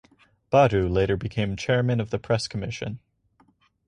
Badu later became Chairman of the Press Commission.